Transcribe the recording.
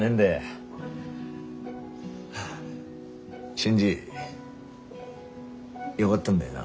新次よがったんだよな。